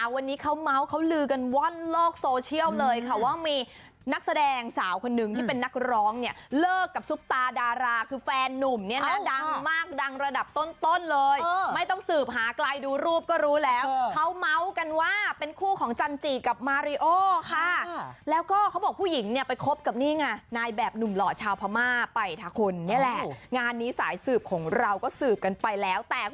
วันนี้เขาม้าวเขาลือกันว่อนโลกโซเชียลเลยค่ะว่ามีนักแสดงสาวคนนึงที่เป็นนักร้องเนี่ยเลิกกับซุปตาดาราคือแฟนนุ่มเนี่ยนะดังมากดังระดับต้นเลยไม่ต้องสืบหากลายดูรูปก็รู้แล้วเขาม้าวกันว่าเป็นคู่ของจันจีกับมาริโอค่ะแล้วก็เขาบอกผู้หญิงเนี่ยไปคบกับนี่ไงนายแบบหนุ่มหล่อชาวพม่าไปทะคนนี่แ